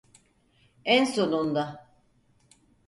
En sonunda!